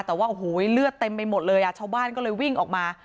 แต่ว่าโอ้โหเลือดเต็มไปหมดเลยอ่ะชาวบ้านก็เลยวิ่งออกมา